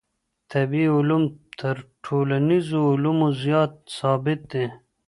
طبیعي علوم تر ټولنیزو علومو زیات ثابت دي.